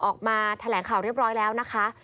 ออกมาแถลงข่าวเรียบร้อยแล้วนะคะ